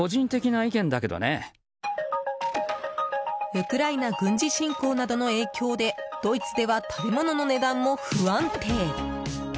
ウクライナ軍事侵攻などの影響でドイツでは食べ物の値段も不安定。